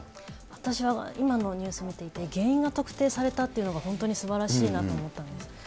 私は今のニュース見ていて、原因が特定されたっていうのが本当にすばらしいなと思ったんです。